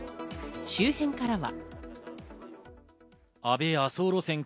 周辺からは。